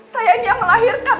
saya yang melahirkan